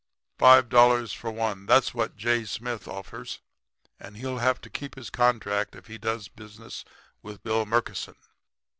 Five dollars for one that's what J. Smith offers, and he'll have to keep his contract if he does business with Bill Murkison.'